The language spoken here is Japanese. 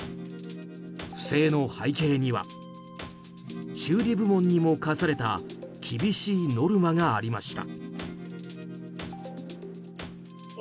不正の背景には修理部門にも課された厳しいノルマがありました。